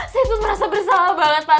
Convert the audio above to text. saya tuh merasa bersalah banget pak